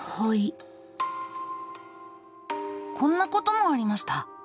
こんなこともありました。